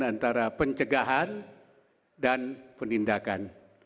antara pencegahan dan penindakan